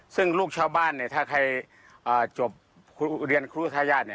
ซึ่งลูกชาวบ้านถ้าใครจบเรียนครูทายาท